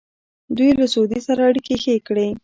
دوی له سعودي سره اړیکې ښې کړې.